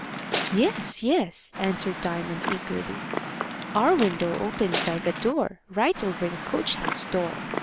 "Yes, yes," answered Diamond, eagerly. "Our window opens like a door, right over the coach house door.